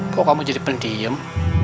kok kamu jadi pendiem